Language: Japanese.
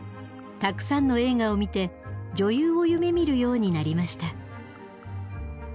たくさんの映画を見て女優を夢みるようになりました。